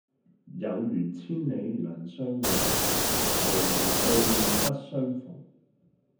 有緣千里能相會，無緣對面不相逢。